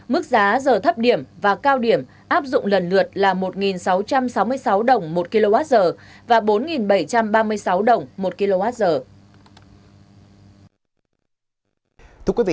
mức giá giờ thấp điểm và cao điểm áp dụng lần lượt là một sáu trăm sáu mươi sáu đồng một kwh và bốn bảy trăm ba mươi sáu đồng một kwh